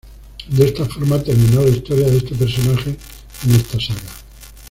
De esta forma, terminó la historia de este personaje en esta saga.